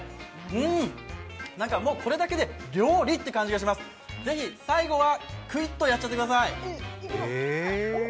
うん、これだけで料理って感じがします、最後はくいっとやっちゃってください。